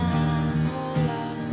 「ほら」